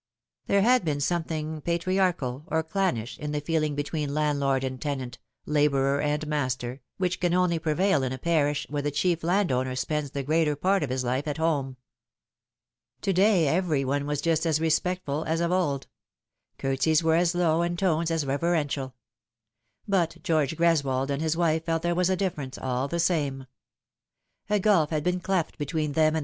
There had been something patriarchal, or clannish, in the feeling be tween landlord and tenant, labourer and master, which can only prevail in a parish where the chief landowner spends the greater part of his life at home. To day every one was just as respectful as of old ; curtsies were as low and tones as reverential ; but George Greswold and his wife felt there was a difference, all the same. A gulf had been cleft between them and then?